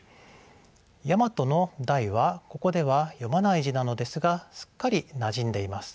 「大和」の「大」はここでは読まない字なのですがすっかりなじんでいます。